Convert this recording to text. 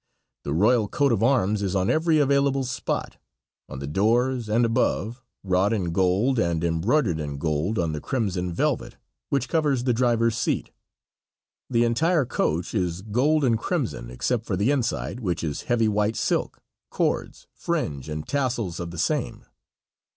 The royal coat of arms is on every available spot, on the doors and above, wrought in gold, and embroidered in gold on the crimson velvet which covers the driver's seat. The entire coach is gold and crimson except for the inside, which is heavy white silk, cords, fringe and tassels of the same.